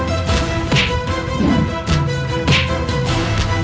saya tidak mungkin menmezztuki asal